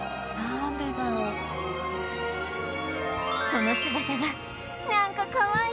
その姿が「なんかかわいい！」